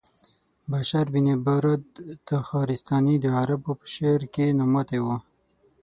بشار بن برد تخارستاني د عربو په شعر کې نوموتی و.